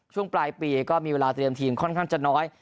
ช่วงปลายปีก็มีเวลาเตรียมทีมค่อนข้างจะน้อย